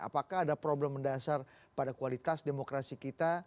apakah ada problem mendasar pada kualitas demokrasi kita